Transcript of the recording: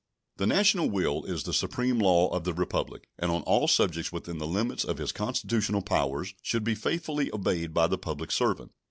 The national will is the supreme law of the Republic, and on all subjects within the limits of his constitutional powers should be faithfully obeyed by the public servant.